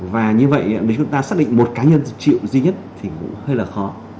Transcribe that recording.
và như vậy nếu chúng ta xác định một cá nhân chịu duy nhất thì cũng hơi là khó